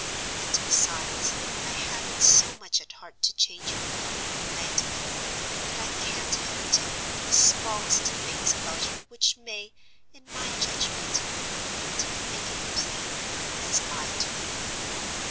And, besides, I have it so much at heart to change your opinion of Magdalen, that I can't help telling you the smallest things about her which may, in my judgment, end in making you think of her as I do.